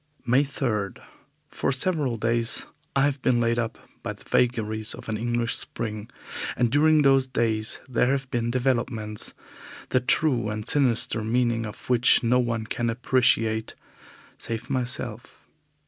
May 3. For several days I have been laid up by the vagaries of an English spring, and during those days there have been developments, the true and sinister meaning of which no one can appreciate save myself.